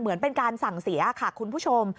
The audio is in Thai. เหมือนเป็นการสั่งเสียค่ะคุณผู้ชม